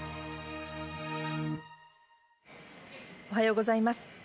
おはようございます。